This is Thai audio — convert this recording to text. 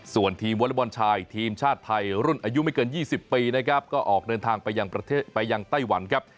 ส่วนทีมวอเล็กบอลชายทีมชาติไทยรุ่นอายุไม่เกิน๒๐ปีนะครับก็ออกเดินทางไปยังประเทศไปยังไต้หวันครับ